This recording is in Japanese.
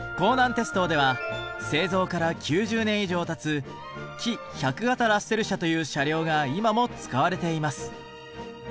鉄道では製造から９０年以上たつ「キ１００形ラッセル車」という車両が今も使われています。